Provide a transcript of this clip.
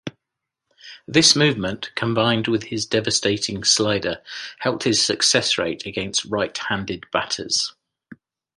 This movement, combined with his devastating slider, helped his success rate against right-handed batters.